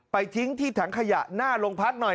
ทิ้งที่ถังขยะหน้าโรงพักหน่อย